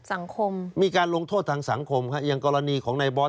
สังคมมีการลงโทษทางสังคมค่ะอย่างกรณีของนายบอส